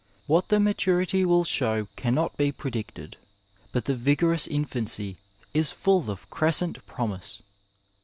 What the maturity wU show cannot be predicted, but the vigorous infancy is full of crescent promise.